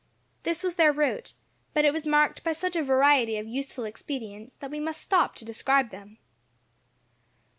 This was their route; but it was marked by such a variety of useful expedients, that we must stop to describe them.